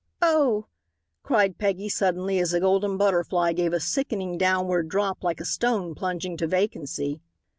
"Oh!" cried Peggy suddenly as the Golden Butterfly gave a sickening downward drop like a stone plunging to vacancy.